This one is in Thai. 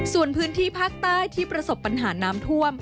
ส่วนพื้นที่ภาคใต้ที่ประสบปัญหาน้ำท่วม